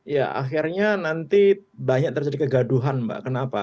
ya akhirnya nanti banyak terjadi kegaduhan mbak kenapa